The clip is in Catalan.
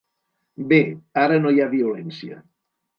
Bé, ara no hi ha violència.